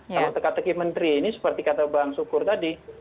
kalau teka teki menteri ini seperti kata bang sukur tadi